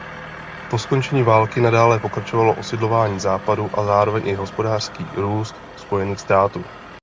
Po skončení války nadále pokračovalo osidlování západu a zároveň i hospodářský růst spojených států.